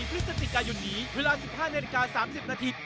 ๑๔พฤศจิกายุนนี้เวลา๑๕นาที๓๐นาที